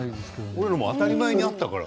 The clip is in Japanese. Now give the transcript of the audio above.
俺ら当たり前にあったから。